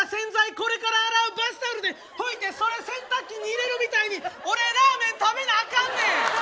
これから洗うバスタオルで拭いてそれ洗濯機に入れるみたいに俺ラーメン食べなあかんねん！